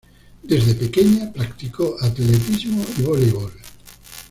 Desde pequeña practicó atletismo y voleibol.